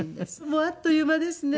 もうあっという間ですね。